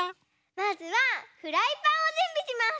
まずはフライパンをじゅんびします！